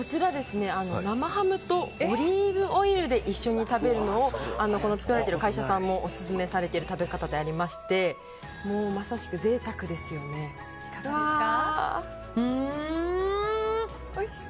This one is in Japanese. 生ハムとオリーブオイルで一緒に食べるのを作られている会社さんもオススメされている食べ方でありましていかがですか？